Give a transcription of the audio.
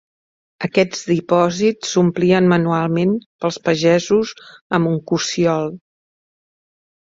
Aquests dipòsits s'omplien manualment pels pagesos amb un cossiol.